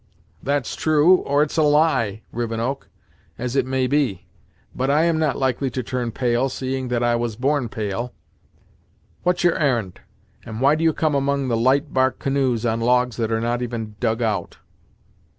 "That's true, or it's a lie, Rivenoak, as it may be; but I am not likely to turn pale, seeing that I was born pale. What's your ar'n'd, and why do you come among light bark canoes, on logs that are not even dug out?"